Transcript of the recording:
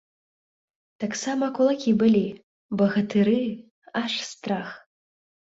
Таксама кулакі былі, багатыры, аж страх.